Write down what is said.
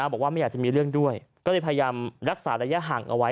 บอกว่าไม่อยากจะมีเรื่องด้วยก็เลยพยายามรักษาระยะห่างเอาไว้